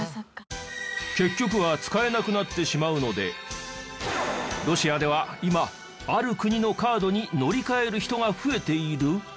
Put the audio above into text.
結局は使えなくなってしまうのでロシアでは今ある国のカードに乗り換える人が増えている？